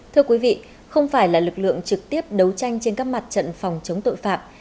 thưa quý vị không phải là lực lượng trực tiếp đấu tranh trên các mặt trận phòng chống tội phạm